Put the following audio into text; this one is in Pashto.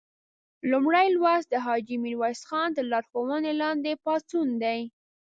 لومړی لوست د حاجي میرویس خان تر لارښوونې لاندې پاڅون دی.